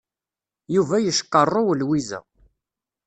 Yuba yecqarrew Lwiza.